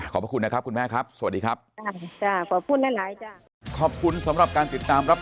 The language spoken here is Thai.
ขอบพระคุณนะครับคุณแม่ครับสวัสดีครับ